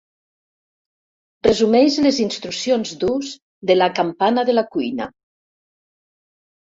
Resumeix les instruccions d'ús de la campana de la cuina.